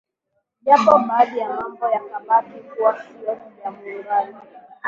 Japo baadhi ya mambo yakabaki kuwa sio ya muungano